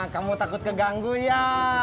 kamu takut keganggu ya